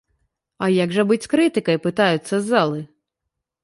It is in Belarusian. А як жа быць з крытыкай, пытаюцца з залы.